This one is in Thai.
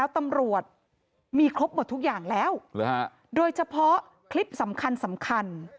ตำรวจมีครบหมดทุกอย่างแล้วโดยเฉพาะคลิปสำคัญสำคัญ